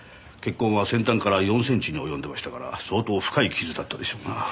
血痕は先端から４センチに及んでいましたから相当深い傷だったでしょうな。